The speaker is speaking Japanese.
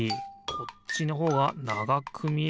こっちのほうがながくみえるなあ。